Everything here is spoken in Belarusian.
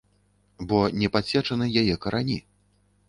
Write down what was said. Бо не падсечаны яе карані.